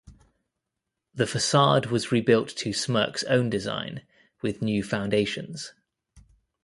The facade was rebuilt to Smirke's own design with new foundations.